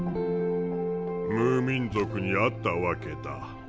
ムーミン族に会ったわけだ。